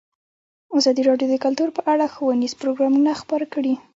ازادي راډیو د کلتور په اړه ښوونیز پروګرامونه خپاره کړي.